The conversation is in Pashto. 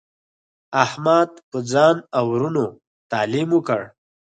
احمد په ځان او ورونو تعلیم وکړ.